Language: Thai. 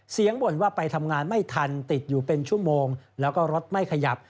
บ่นว่าไปทำงานไม่ทันติดอยู่เป็นชั่วโมงแล้วก็รถไม่ขยับ